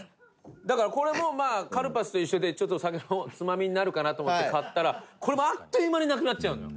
だから、これもカルパスと一緒で酒のつまみになるかなと思って買ったらこれも、あっという間になくなっちゃうのよ。